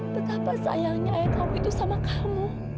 betapa sayangnya ayah kamu itu sama kamu